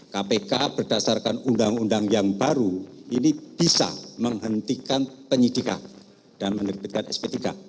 kpk berdasarkan undang undang yang baru ini bisa menghentikan penyidikan dan menerbitkan sp tiga